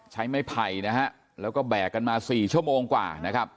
ใช้ไม้ไผ่นะฮะแล้วก็แบกกันมา๔ชั่วโมงกว่านะครับ